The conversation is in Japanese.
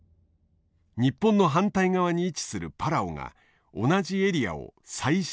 日本の反対側に位置するパラオが同じエリアを再申請。